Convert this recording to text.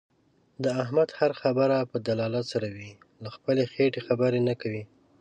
د احمد هر خبره په دلالت سره وي. له خپلې خېټې خبرې نه کوي.